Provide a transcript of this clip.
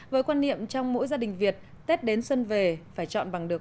với quan niệm trong mỗi gia đình việt tết đến xuân về phải chọn bằng được